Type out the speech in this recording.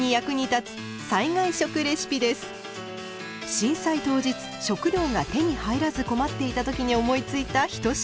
震災当日食料が手に入らず困っていた時に思いついた一品。